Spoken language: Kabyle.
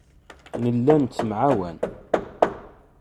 Nella nettemɛawan.